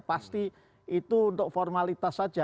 pasti itu untuk formalitas saja